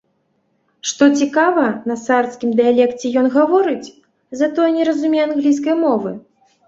Што цікава, на сардскім дыялекце ён гаворыць, затое не разумее англійскай мовы.